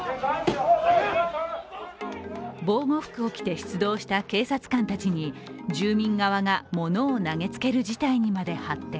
防護服を着て出動した警察官たちに住民側がものを投げつける事態にまで発展。